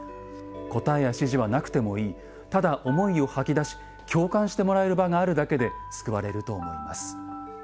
答えや指示はなくてもいいただ思いを吐き出し共感してもらえる場があるだけで救われると思います」。